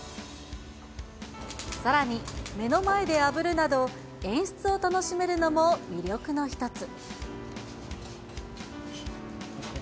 さらに目の前であぶるなど、演出を楽しめるのも魅力の一つ。